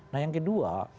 nah yang kedua